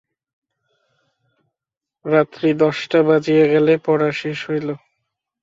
রাত্রি দশটা বাজিয়া গেলে পড়া শেষ হইল।